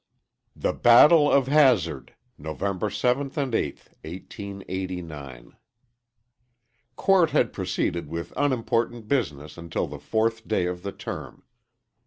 THE BATTLE OF HAZARD. (NOVEMBER 7TH AND 8TH, 1889.) Court had proceeded with unimportant business until the fourth day of the term.